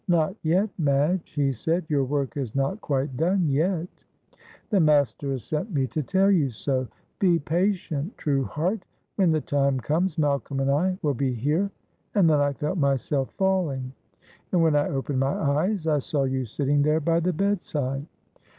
'Not yet, Madge,' he said, 'your work is not quite done yet; the Master has sent me to tell you so; be patient, true heart. When the time comes, Malcolm and I will be here.' And then I felt myself falling, and when I opened my eyes I saw you sitting there by the bedside."